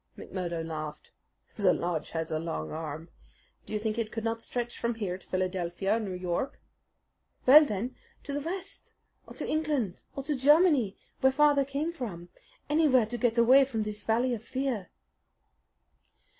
McMurdo laughed. "The lodge has a long arm. Do you think it could not stretch from here to Philadelphia or New York?" "Well, then, to the West, or to England, or to Germany, where father came from anywhere to get away from this Valley of Fear!"